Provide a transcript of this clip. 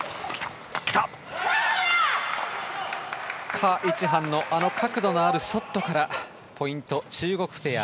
カ・イチハンのあの角度のあるショットからポイント、中国ペア。